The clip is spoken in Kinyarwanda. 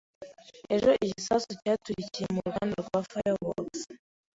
Ejo, igisasu cyaturikiye mu ruganda rwa fireworks.